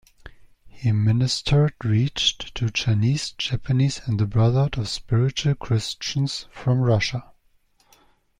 He ministered reached to Chinese, Japanese, and the Brotherhood of Spiritual Christians from Russia.